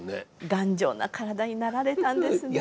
頑丈な体になられたんですね。